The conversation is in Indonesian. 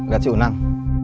gak sih unang